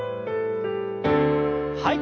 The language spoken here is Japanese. はい。